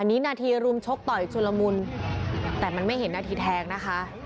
อันนี้นาทีรุมชกต่อยชุลมุนแต่มันไม่เห็นนาทีแทงนะคะ